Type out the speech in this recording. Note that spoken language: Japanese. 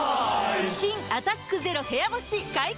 新「アタックＺＥＲＯ部屋干し」解禁‼